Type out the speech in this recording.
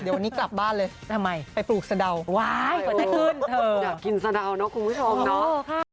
เดี๋ยววันนี้กลับบ้านเลยทำไมไปปลูกสะดาวกว่าจะขึ้นเธออยากกินสะดาวเนอะคุณผู้ชมเนาะ